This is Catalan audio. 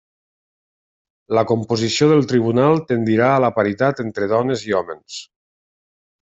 La composició del tribunal tendirà a la paritat entre dones i hòmens.